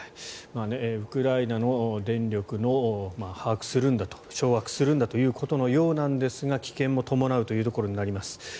ウクライナの電力を掌握するんだということのようなんですが危険も伴うというところになります。